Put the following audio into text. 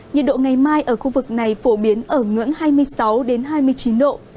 nhiệt độ ngày mai ở khu vực này phổ biến ở ngưỡng hai mươi sáu hai mươi chín độ